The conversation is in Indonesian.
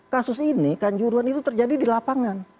kasus ini kanjuruan itu terjadi di lapangan